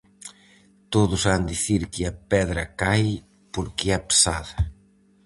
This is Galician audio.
Todos han dicir que a pedra cae porque é pesada.